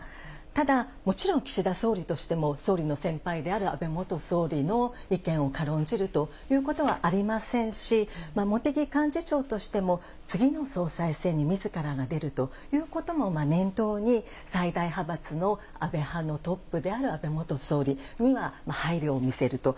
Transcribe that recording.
ただ、もちろん岸田総理としても、総理の先輩である安倍元総理の意見を軽んじるということはありませんし、茂木幹事長としても、次の総裁選みずからが出るということも念頭に、最大派閥の安倍派のトップである安倍元総理には配慮を見せると。